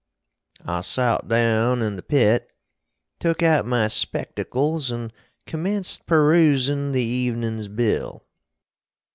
I sot down in the pit, took out my spectacles and commenced peroosin the evenin's bill.